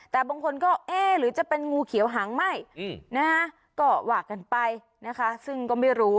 แต่บางคนก็เอ๊ะหรือจะเป็นงูเขียวหางไหม้ก็ว่ากันไปนะคะซึ่งก็ไม่รู้